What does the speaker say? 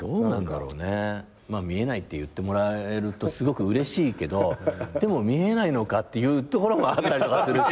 見えないって言ってもらえるとすごくうれしいけどでも見えないのかっていうのもあったりとかするし。